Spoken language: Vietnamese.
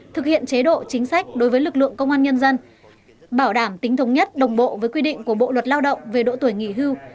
thực hiện chế độ chính sách đối với lực lượng công an nhân dân bảo đảm tính thống nhất đồng bộ với quy định của bộ luật lao động về độ tuổi nghỉ hưu